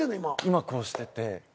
今こうしてて。